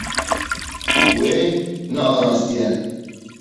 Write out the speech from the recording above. Wê nearastiye.